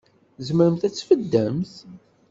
Tzemremt ad tbeddemt?